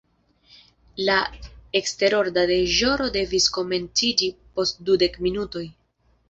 La eksterorda deĵoro devis komenciĝi post dudek minutoj.